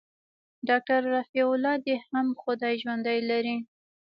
ډاکتر رفيع الله دې هم خداى ژوندى لري.